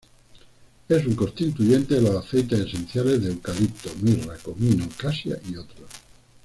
Es un constituyente de los aceites esenciales de eucalipto, mirra, comino, cassia y otros.